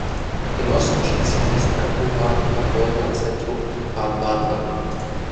Im Osten schließt sich das Acura-Rheumazentrum Baden-Baden an.